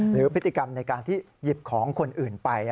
หรือพฤติกรรมในการที่หยิบของคนอื่นไป